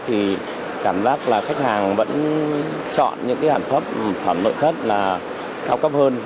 thì cảm giác là khách hàng vẫn chọn những cái hản phẩm nội thất là cao cấp hơn